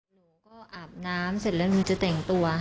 หนูก็อาบน้ำเสร็จแล้วหนูจะแต่งตัว